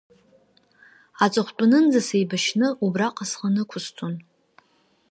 Аҵыхәтәанынӡа сеибашьны убраҟа схы нақәысҵон…